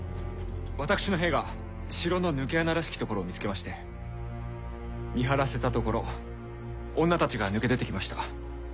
私の兵が城の抜け穴らしき所を見つけまして見張らせたところ女たちが抜け出てきました。